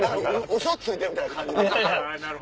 ウソついてるみたいな感じで。